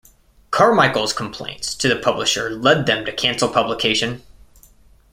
Carmichael's complaints to the publisher led them to cancel publication.